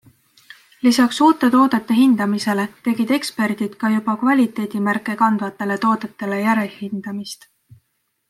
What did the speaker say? Lisaks uute toodete hindamisele tegid eksperdid ka juba kvaliteedimärke kandvatele toodetele järelhindamist.